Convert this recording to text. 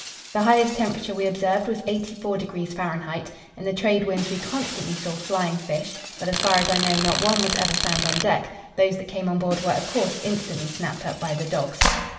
The highest temperature we observed was 84° F. In the trade winds we constantly saw flying fish, but as far as I know not one was ever found on deck; those that came on board were of course instantly snapped up by the dogs.